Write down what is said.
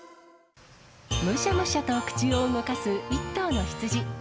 むしゃむしゃと口を動かす１頭の羊。